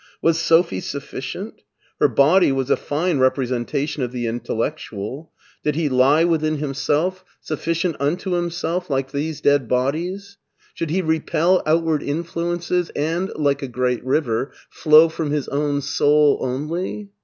Was Sophie sufficient ? Her body was a fine representation of the intellectual. Did he lie within himself, suffi 220 MARTIN SCHULER dent unto himself like these dead bodies? Should he repel outward influences and, like a great river, flow from his own soul only?